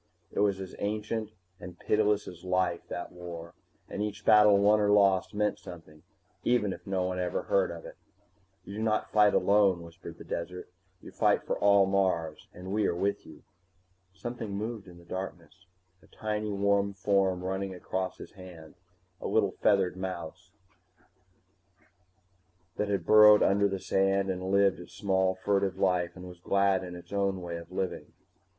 It was as ancient and pitiless as life, that war, and each battle won or lost meant something even if no one ever heard of it. You do not fight alone, whispered the desert. You fight for all Mars, and we are with you. Something moved in the darkness, a tiny warm form running across his hand, a little feathered mouse like thing that burrowed under the sand and lived its small fugitive life and was glad in its own way of living.